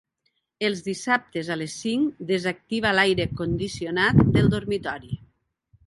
Els dissabtes a les cinc desactiva l'aire condicionat del dormitori.